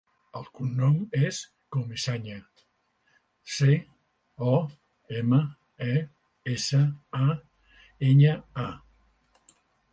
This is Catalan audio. El cognom és Comesaña: ce, o, ema, e, essa, a, enya, a.